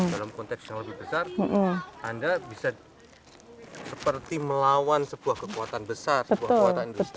dalam konteks yang lebih besar anda bisa seperti melawan sebuah kekuatan besar sebuah kekuatan industri